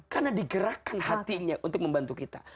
karena digerakkan hatinya untuk membantu kita